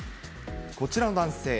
こちらの男性。